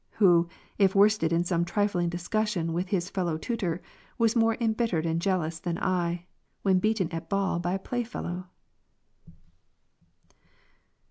who, if worsted in some trifling discussion with his fellow tutor, was more embittered and jealous than I, when beaten at ball by a play fellow